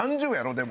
でも。